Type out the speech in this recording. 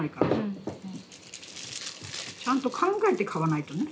ちゃんと考えて買わないとね。